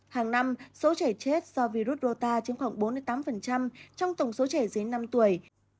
hàng năm số trẻ chết do virus rô ta chiếm khoảng bốn tám trong tổng số trẻ dưới năm tuổi